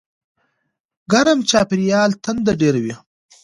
ګرم چاپېریال تنده ډېروي.